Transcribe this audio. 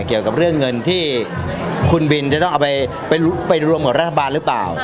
เกี่ยวกับเรื่องเงินที่คุณบินจะต้องเอาไปรวมกับรัฐบาลหรือเปล่า